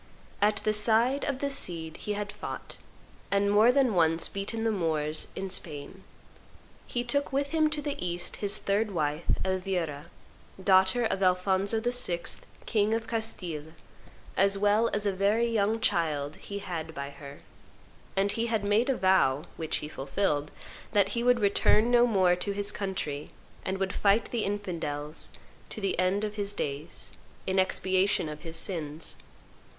At the side of the Cid he had fought, and more than once beaten the Moors in Spain. He took with him to the East his third wife, Elvira, daughter of Alphonso VI., king of Castile, as well as a very young child he had by her, and he had made a vow, which he fulfilled, that he would return no more to his country, and would fight the infidels to the end of his days, in expiation of his sins.